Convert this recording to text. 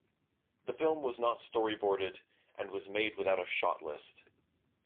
The film was not storyboarded and was made without a shot list.